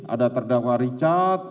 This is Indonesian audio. ada terdakwa richard